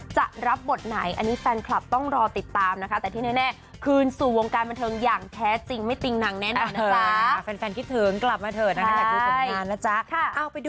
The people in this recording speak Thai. จะร้ายหรอคะจะร้ายอยู่